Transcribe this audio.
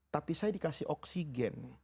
tapi saya dikasih oksigen